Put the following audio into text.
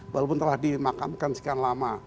walaupun telah dimakamkan sekian lama